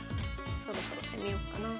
そろそろ攻めよっかな。